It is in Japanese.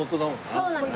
そうなんです。